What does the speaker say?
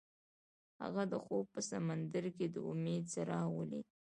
هغه د خوب په سمندر کې د امید څراغ ولید.